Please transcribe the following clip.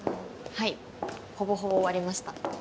はいほぼほぼ終わりました。